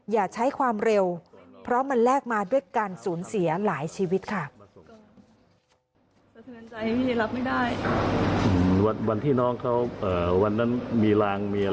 อย่าใช้ความเร็วเพราะมันแลกมาด้วยการสูญเสียหลายชีวิตค่ะ